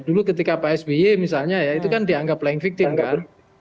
dulu ketika pak sby misalnya ya itu kan dianggap playing victim kan